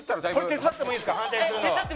手伝ってもいいですか？